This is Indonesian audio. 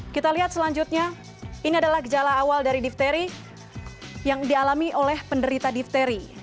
kita lihat selanjutnya ini adalah kejala awal dari diphteri yang dialami oleh penderita diphteri